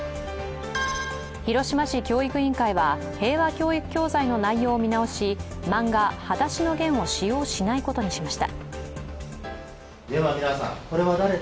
広島市教育委員会は平和教育教材の内容を見直し、漫画「はだしのゲン」を使用しないことにしました。